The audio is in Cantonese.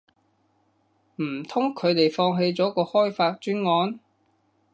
唔通佢哋放棄咗個開發專案